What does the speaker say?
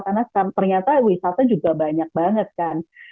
karena ternyata wisata juga banyak banget kan